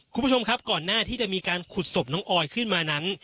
คุณผู้ชมครับก่อนหน้าที่จะมีการขุดศพน้องออยขึ้นมานั้น